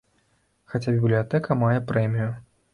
Хаця бібліятэка мае прэмію.